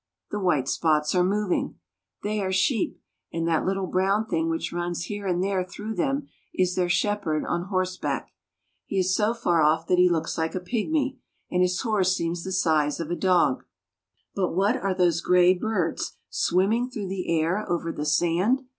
The white spots are moving. They are sheep, and that little brown thing which runs here and there through them is their shepherd on horseback. He is so far off that he looks like a pygmy, and his horse seems the size of a dog. But what are those gray birds swimming through the air over the sand?